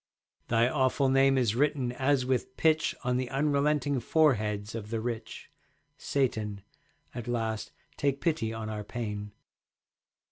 Thy awful name is written as with pitch On the unrelenting foreheads of the rich. Satan, at last take pity on our pain.